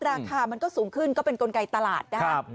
ราคามันก็สูงขึ้นก็เป็นกลไกตลาดนะครับ